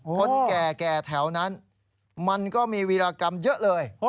คนแก่แถวนั้นมันก็มีวีรกรรมเยอะเลย